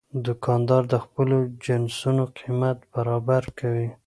دوکاندار د خپلو جنسونو قیمت برابر کوي.